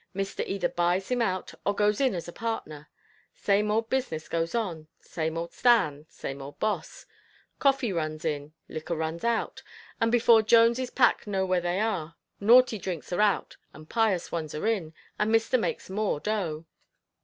Mister either buys him out, or goes in as a partner. Same old business goes on, same old stand, same old boss. Coffee runs in, liquor runs out, and before Jones' pack know where they are, naughty drinks are out, and pious ones are in and mister makes more dough."